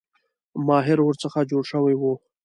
ماهر ورڅخه جوړ شوی وو.